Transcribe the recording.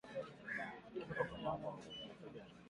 Dalili ya homa ya mapafu ni afya ya mnyama kuzorota